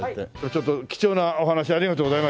ちょっと貴重なお話ありがとうございました。